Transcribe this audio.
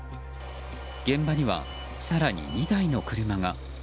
現場には、更に２台の車が。